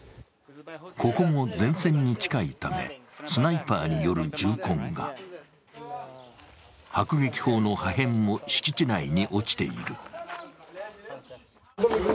ここも前線に近いため、スナイパーによる銃痕が、迫撃砲の破片も敷地内に落ちている。